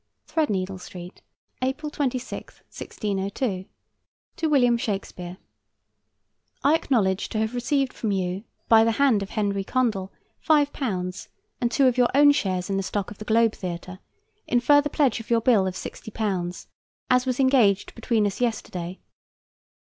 THREADNEEDLE STREET, April 26, 1602. To WILLIAM SHAKESPEARE: I acknowledge to have received from you by the hand of Henry Condell £5, and two of your own shares in the stock of the Globe Theatre in further pledge of your bill of £60, as was engaged between us yesterday.